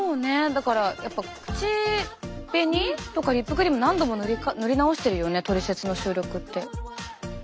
だからやっぱ口紅とかリップクリーム何度も塗り直してるよね「トリセツ」の収録って。